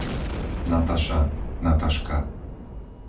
Nataša, Nataška